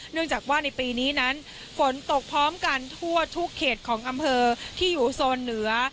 เนื่องจากว่าในปีนี้นั้นฝนตกพร้อมกันทั่วทุกเขตของอำเภอที่อยู่โซนเหนือ